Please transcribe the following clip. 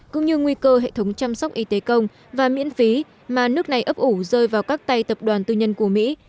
cũng như nguy cơ hệ thống chăm sóc y tế công và miễn phí mà nước này ấp ủ rơi vào các tay tập đoàn tư nhân của mỹ